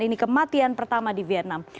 ini kematian pertama di vietnam